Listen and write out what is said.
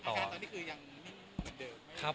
ตอนนี้คือยังนิ่งเหมือนเดิมไหมครับครับ